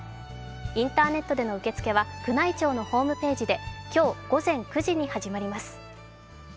インターネットでの受け付けは宮内庁のホームページで今日午前９時に始まります。